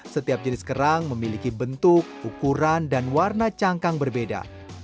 setiap jenis kerang memiliki bentuk ukuran dan warna cangkang berbeda